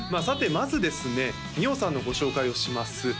さてまずですね澪さんのご紹介をします